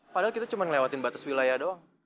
padahal kita cuma ngelewatin batas wilayah dong